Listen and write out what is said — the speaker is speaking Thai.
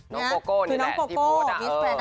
น้องโปโก่นี้แหละ